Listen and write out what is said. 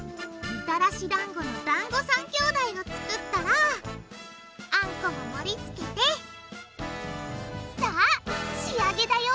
みたらし団子のだんご３兄弟を作ったらあんこも盛りつけてさあ仕上げだよ！